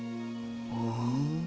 うん？